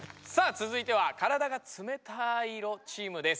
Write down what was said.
つづいては体がつめたい色チームです。